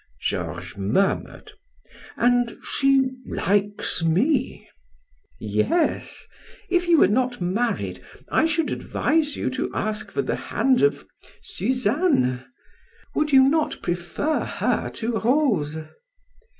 Georges murmured: "And she likes me " "Yes. If you were not married I should advise you to ask for the hand of Suzanne would you not prefer her to Rose?"